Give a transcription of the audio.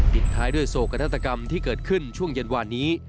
ท้ายด้วยโศกนาฏกรรมที่เกิดขึ้นช่วงเย็นวานนี้